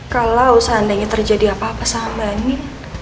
kalau seandainya terjadi apa apa sama mbak andi